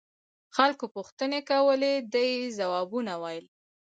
خلقو پوښتنې کولې ده يې ځوابونه ويل.